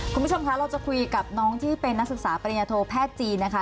คุณผู้ชมคะเราจะคุยกับน้องที่เป็นนักศึกษาปริญญาโทแพทย์จีนนะคะ